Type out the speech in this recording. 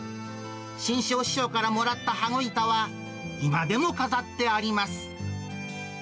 志ん生師匠からもらった羽子板は今でも飾ってあります。